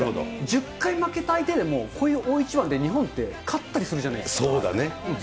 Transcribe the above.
１０回負けた相手でもこういう大一番で日本って勝ったりするそうだね。